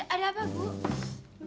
ah yaudah bentar ya bu saya ambil